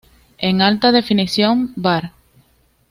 En Alta Definición var.